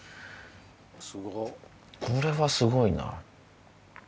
これはすごいな。